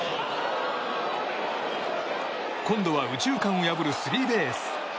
今度は右中間を破るスリーベース。